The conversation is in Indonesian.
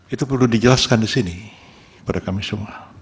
itu perlu dijelaskan di sini kepada kami semua